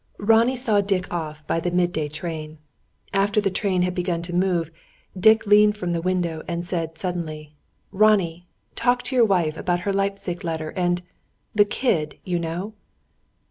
Ronnie saw Dick off by the mid day train. After the train had begun to move, Dick leaned from the window, and said suddenly: "Ronnie! talk to your wife about her Leipzig letter, and the kid, you know."